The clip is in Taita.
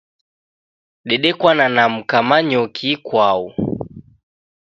Dedekwana na mka Manyoki ikwau.